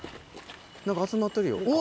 何か集まってるようわ！